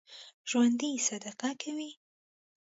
ژوندي صدقه کوي